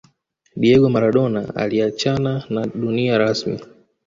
Diego Maladona aliacahana na dunia rasmi